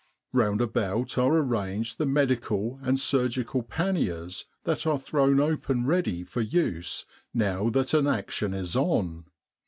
Round about are arranged the medical and surgical panniers that are thrown open ready for use now that an action is on.